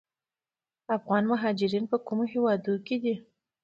افغان مهاجرین په کومو هیوادونو کې دي؟